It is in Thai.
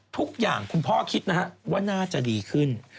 คุณพ่อคิดนะฮะว่าน่าจะดีขึ้น